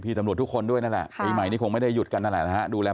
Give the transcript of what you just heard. ตำรวจทุกคนด้วยนั่นแหละปีใหม่นี้คงไม่ได้หยุดกันนั่นแหละนะฮะดูแล